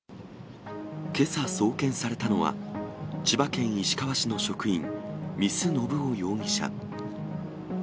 けさ送検されたのは、千葉県市川市の職員、見須信夫容疑者。